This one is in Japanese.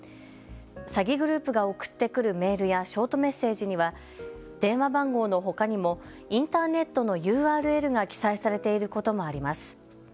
詐欺グループが送ってくるメールやショートメッセージには、電話番号のほかにもインターネットのＵＲＬが記載されていることもあります。